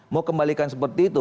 mau kembalikan seperti itu